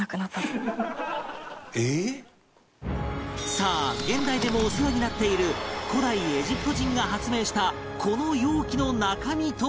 さあ、現代でもお世話になっている古代エジプト人が発明したこの容器の中身とは、一体？